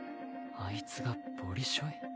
あいつがボリショイ？